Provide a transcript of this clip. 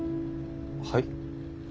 はい？